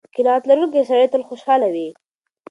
قناعت لرونکی سړی تل خوشحاله وي.